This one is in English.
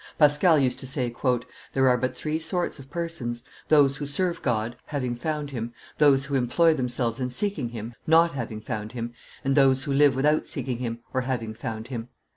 Pascal used to say, "There are but three sorts of persons: those who serve God, having found Him; those who employ themselves in seeking Him, not having found Him; and those who live without seeking Him or having found Him.